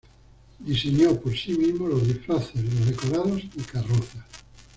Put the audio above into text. Diseñó, por sí mismo, los disfraces, los decorados y carrozas.